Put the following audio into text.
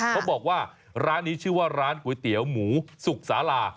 เขาบอกว่าร้านนี้ชื่อว่าร้านก๋วยเตี๋ยวหมูสุกสาลา